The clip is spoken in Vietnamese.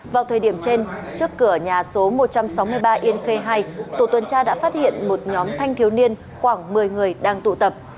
vào thời điểm trên trước cửa nhà số một trăm sáu mươi ba yên khê hai tổ tuần tra đã phát hiện một nhóm thanh thiếu niên khoảng một mươi người đang tụ tập